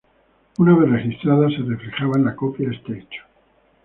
Una vez registrada se reflejaba en la copia este hecho.